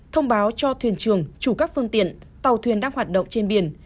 thông báo cho thuyền trường chủ các phương tiện tàu thuyền đang hoạt động trên biển